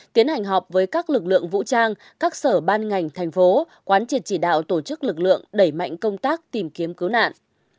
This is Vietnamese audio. tiến hành họp với các lực lượng vũ trang các sở ban ngành thành phố quán triệt chỉ đạo tổ chức lực lượng đẩy mạnh công tác tìm kiếm cứu nạn